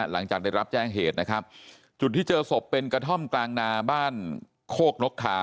หลังจากได้รับแจ้งเหตุนะครับจุดที่เจอศพเป็นกระท่อมกลางนาบ้านโคกนกทา